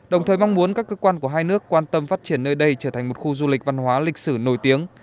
đồng thời mong muốn các cơ quan của hai nước quan tâm phát triển nơi đây trở thành một khu du lịch văn hóa lịch sử nổi tiếng